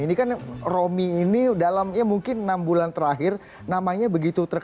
ini kan romi ini dalam ya mungkin enam bulan terakhir namanya begitu terkenal